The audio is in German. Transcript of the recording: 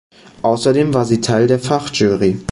Außerdem war sie teil der Fachjury.